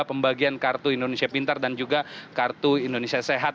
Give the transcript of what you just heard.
pembagian kartu indonesia pintar dan juga kartu indonesia sehat